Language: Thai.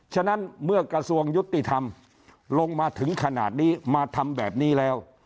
ฉะนั้นเมื่อกระทรวงยุติธรรมลงมาถึงขนาดนี้มาทำแบบนี้แล้ว